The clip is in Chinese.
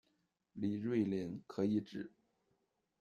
李瑞麟可以指：